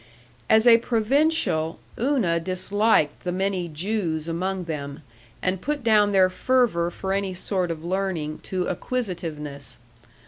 As a provincial, Una disliked the many Jews among them, and put down their fervor for any sort of learning to acquisitiveness.